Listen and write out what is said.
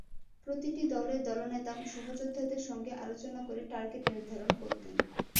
প্রতিটি দলের দলনেতা সহযোদ্ধাদের সঙ্গে আলোচনা করে টার্গেট নির্ধারণ করতেন।